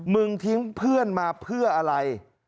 มึงทิ้งเพื่อนมาเพื่ออะไร